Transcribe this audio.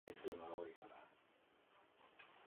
However, Hardin was known to exaggerate.